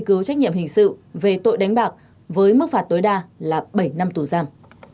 cứu trách nhiệm hình sự về tội đánh bạc với mức phạt tối đa là bảy năm tù giam